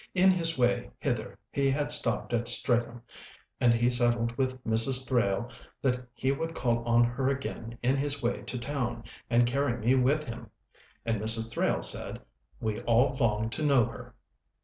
In his way hither he had stopped at Streatham, and he settled with Mrs. Thrale that he would call on her again in his way to town, and carry me with him! and Mrs. Thrale said, "We all long to know her."